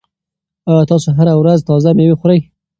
آیا تاسو هره ورځ تازه مېوه خورئ؟